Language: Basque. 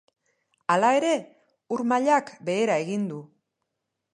Hala ere, ur mailak behera egin du.